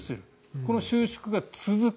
この収縮が続く。